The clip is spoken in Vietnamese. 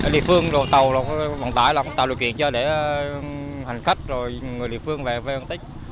địa phương tàu vận tải là tàu điều kiện cho hành khách người địa phương về vận tích